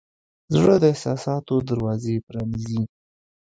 زړه د احساساتو دروازې پرانیزي.